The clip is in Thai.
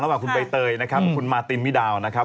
ระหว่างคุณใบเตยนะครับคุณมาร์ตินมิดาวนะครับ